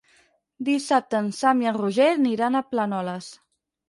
Dissabte en Sam i en Roger aniran a Planoles.